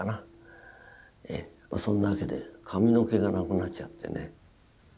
そんなわけで髪の毛がなくなっちゃってね。